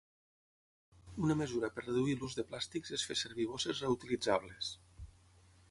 Una mesura per reduir l'ús de plàstics és fer servir bosses reutilitzables.